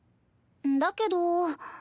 だけど。